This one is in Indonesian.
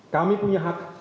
kami punya hak